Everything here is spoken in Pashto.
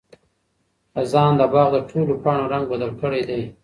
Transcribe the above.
خزان د باغ د ټولو پاڼو رنګ بدل کړی دی.